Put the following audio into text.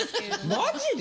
マジで！？